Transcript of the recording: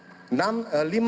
lima tukang ini